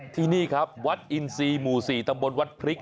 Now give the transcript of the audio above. ที่นี่ครับวัดอินซีหมู่๔ตำบลวัดพริก